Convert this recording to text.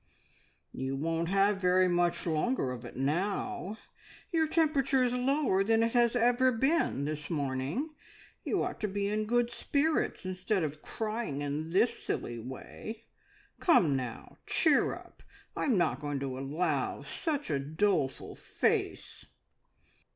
"You won't have very much longer of it now. Your temperature is lower than it has ever been this morning. You ought to be in good spirits instead of crying in this silly way. Come now, cheer up! I am not going to allow such a doleful face."